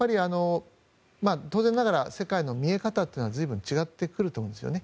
当然ながら世界の見え方というのは随分違ってくると思うんですね。